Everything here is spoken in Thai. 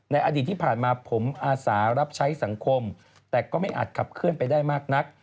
อดีตที่ผ่านมาผมอาสารับใช้สังคมแต่ก็ไม่อาจขับเคลื่อนไปได้มากนัก